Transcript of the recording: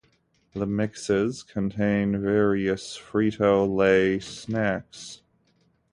The mixes contain various Frito-Lay snacks.